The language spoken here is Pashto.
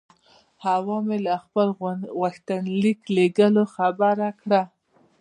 حوا مې له خپل غوښتنلیک لېږلو خبره کړه.